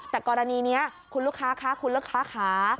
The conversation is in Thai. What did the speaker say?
แต่กรณีนี้คุณลูกค้าคะคุณลูกค้าค้า